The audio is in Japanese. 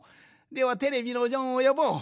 ではテレビのジョンをよぼう。